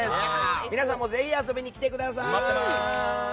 皆さんもぜひ遊びに来てください！